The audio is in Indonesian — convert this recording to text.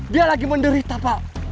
dia lagi menderita pak